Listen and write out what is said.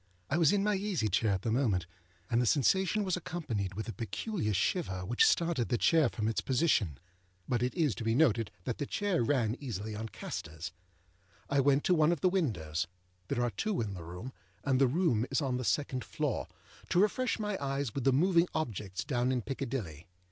I was in my easy chair at the moment, and the sensation was accompanied with a peculiar shiver which started the chair from its position. (But it is to be noted that the chair ran easily on castors.) I went to one of the windows (there are two in the room, and the room is on the second floor) to refresh my eyes with the moving objects down in Piccadilly.